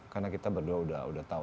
karena kita berdua sudah tahu